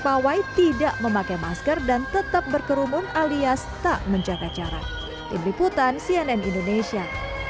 pawai tidak memakai masker dan tetap berkerumun alias tak menjaga jarak tim liputan cnn indonesia